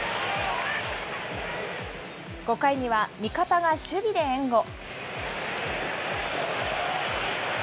５回には味方が守備で援護。